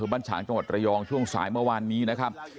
บ้านฉางจังหวัดระยองช่วงสายเมื่อวานนี้นะครับ